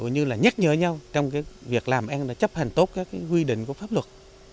như là nhắc nhở nhau trong việc làm em đã chấp hành tốt các quy định của pháp luật